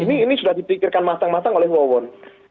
ini sudah dipikirkan matang matang oleh wawon